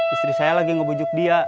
istri saya lagi ngebujuk dia